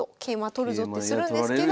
取るぞってするんですけど。